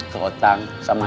keotang sama jack